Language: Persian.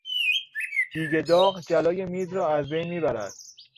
دیگ داغ جلای میز را از بین میبرد.